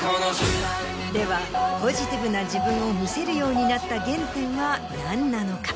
ではポジティブな自分を見せるようになった原点は何なのか？